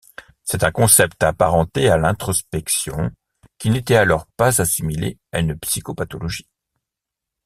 C’est un concept apparenté à l'introspection qui n’était alors pas assimilé à une psychopathologie.